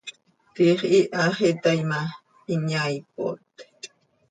Tiix iihax ihtaai ma, hin yaaipot.